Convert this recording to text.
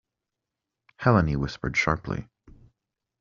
Helene whispered sharply.